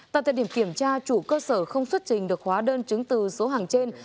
tại thời điểm kiểm tra chủ cơ sở không xuất trình được hóa đơn chứng từ số hàng trên